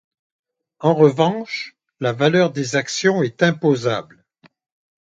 En revanche, la valeur des actions est imposable.